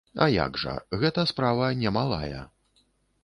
А як жа, гэта справа не малая.